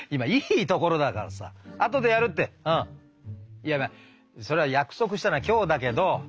いやまあそれは約束したのは今日だけど。